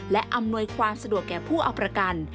และอำนวยความสะดวกแก่ผู้เอาประกัน